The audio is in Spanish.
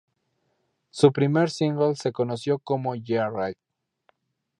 Su primer single se conoció como "Yeah Right".